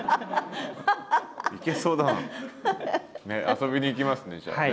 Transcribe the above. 遊びに行きますねじゃあね。